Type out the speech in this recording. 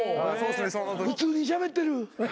普通にしゃべってる。